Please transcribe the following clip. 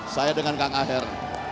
saya dengan kang aher